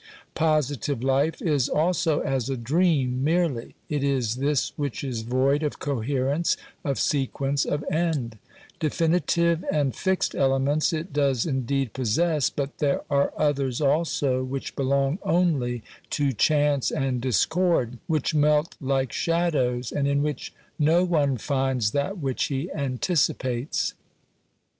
Positive life is also as a dream merely; it is this which is void of coherence, of sequence, of end; definitive and fixed elements it does indeed possess, but there are others also which belong only to chance and discord, which melt like shadows, and in which no one finds that which he anticipates.